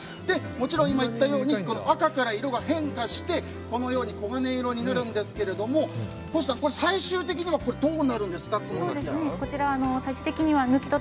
もちろん、今言ったように赤から色が変化してこのように黄金色になるんですが星さん、最終的にはどうなるんですか？